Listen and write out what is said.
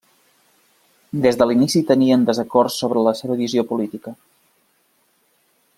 Des de l'inici tenien desacords sobre la seva visió política.